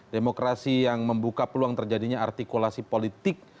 demokrasi yang membuka peluang terjadinya artikulasi politik